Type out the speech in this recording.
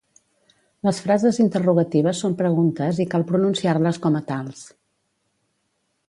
Les frases interrogatives són preguntes i cal pronunciar-les com a tals